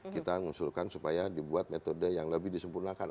kita mengusulkan supaya dibuat metode yang lebih disempurnakan